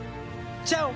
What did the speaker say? チャオ！